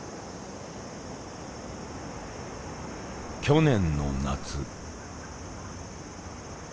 去年の夏。